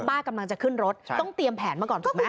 ป้ากำลังจะขึ้นรถต้องเตรียมแผนมาก่อนถูกไหม